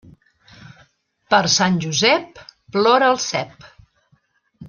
Per Sant Josep, plora el cep.